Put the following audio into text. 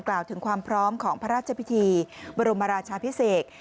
กล่าวถึงความพร้อมของพระราชพิธีบรมราชาพิเศษ